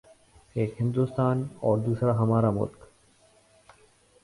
:ایک ہندوستان اوردوسرا ہمارا ملک۔